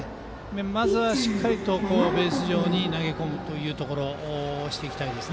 まずはしっかりとベース上に投げ込むことをしていきたいです。